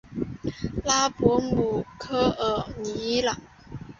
拉博姆科尔尼朗。